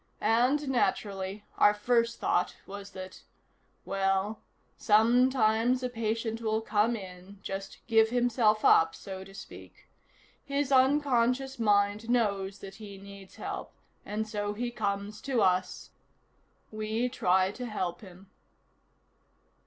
"And naturally our first thought was that well, sometimes a patient will come in, just give himself up, so to speak. His unconscious mind knows that he needs help, and so he comes to us. We try to help him."